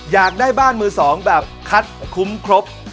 อยากได้บ้านมือสองแบบคัดคุ้มครบ